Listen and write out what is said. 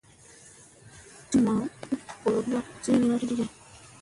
Nditam ubgooriyaŋ siwlina ki ge.